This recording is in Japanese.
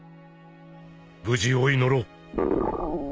無事を祈ろう。